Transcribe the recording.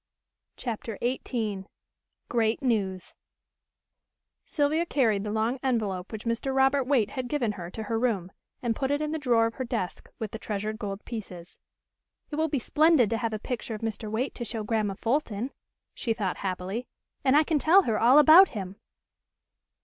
CHAPTER XVIII GREAT NEWS Sylvia carried the long envelope which Mr. Robert Waite had given her to her room, and put it in the drawer of her desk with the treasured gold pieces. "It will be splendid to have a picture of Mr. Waite to show Grandma Fulton," she thought happily, "and I can tell her all about him."